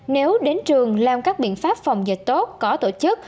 nếu đến trường làm các biện pháp phòng dịch tốt có tổ chức